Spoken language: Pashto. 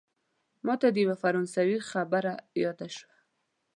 ماته د یوه فرانسوي خبره یاده شوه.